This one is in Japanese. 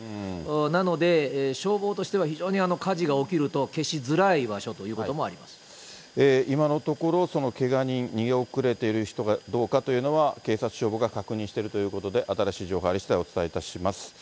なので、消防としては非常に火事が起きると消しづらい場所という今のところ、けが人、逃げ遅れている人がどうかというのは、警察、消防が確認しているということで、新しい情報が入りしだい、お伝えします。